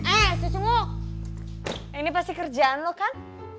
eh susumu ini pasti kerjaan lo kan